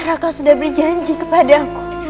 raka sudah berjanji kepada aku